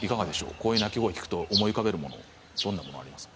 こういう鳴き声を聞くと思い浮かべるものどういうものがありますか？